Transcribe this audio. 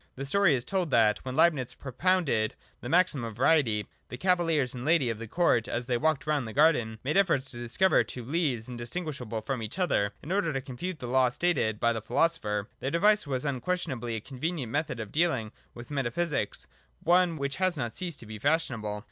The story is told that, when Leibnitz propounded the maxim of Variety, the cavaliers and ladies of the court, as they walked round the garden, made efforts to discover two leaves indistinguishable from each other, in order to confute the law stated by the philosopher. Their device was un questionably a convenient method of dealing with meta physics, — one which has not ceased to be fashionable.